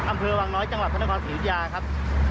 อำเภอวังน้อยจังหวัดพระนครศรีอุทยาครับ